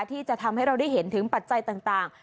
ที่จะทำให้เราได้เห็นถึงปัจจัยต่าง